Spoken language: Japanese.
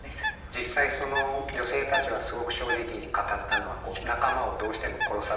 実際その女性たちがすごく正直に語ったのは仲間をどうしても殺さざるをえなかったこと。